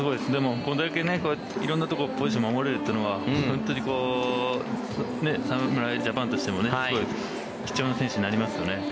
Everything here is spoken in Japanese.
これだけ色んなポジション守れるのは侍ジャパンとしても貴重な選手になりますよね。